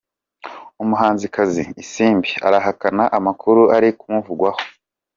Umuhanzi kazi isimbi arahakana amakuru ari kumuvugwaho